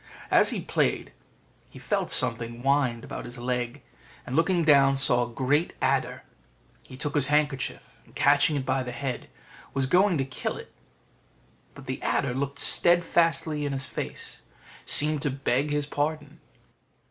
As he played, he felt something wind about his leg, and looking down saw a great adder: he took his handkerchief, and catching it by the head, was going to kill it. But the adder, looking steadfastly in his face, seemed to beg his pardon.